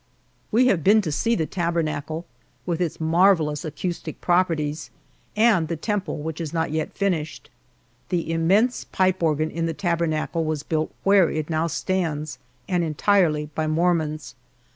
We have been to see the tabernacle, with its marvelous acoustic properties, and the temple, which is not yet finished. The immense pipe organ in the tabernacle was built where it now stands, and entirely by mormons.